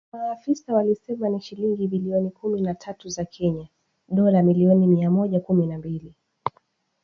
Maafisa walisema ni shilingi bilioni kumi na tatu za Kenya (dola milioni mia moja kumi na mbili)